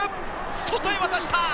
外へ渡した！